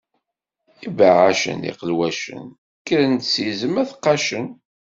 Ibeɛɛacen d iqelwacen, kkren-d s izem ad t-qqacen.